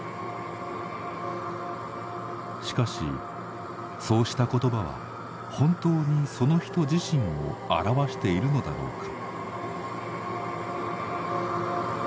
しかしそうした言葉は本当にその人自身を表しているのだろうか。